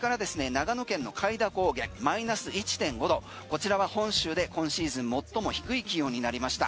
長野県の開田高原マイナス１．５度こちらは本州で今シーズン最も低い気温になりました。